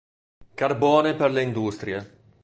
Carbone per le industrie.